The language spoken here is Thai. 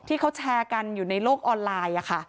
ที่เขาแชร์กันอยู่ในโลกออนไลน์